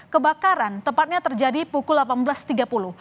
kebakaran tepatnya terjadi pukul delapan belas tiga puluh